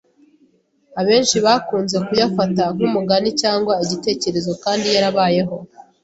abenshi bakunze kuyafata nk’umugani cyangwa igitekerezo kandi yarabayeho